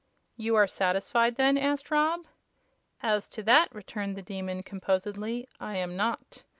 "You are satisfied, then?" asked Rob. "As to that," returned the Demon, composedly, "I am not.